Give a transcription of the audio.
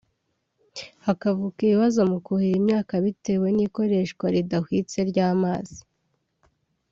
hakavuka ibibazo mu kuhira imyaka bitewe n’ikoreshwa ridahwitse ry’amazi